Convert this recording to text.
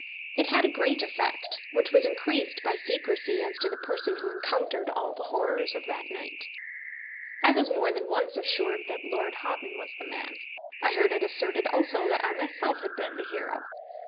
It had a great effect, which was increased by secrecy as to the person who encountered all the horrors of that night. I was more than once assured that Lord Houghton was the man. I heard it asserted also that I myself had been the hero.